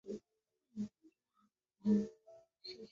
岩棘千手螺为骨螺科岩芭蕉螺属下的一个种。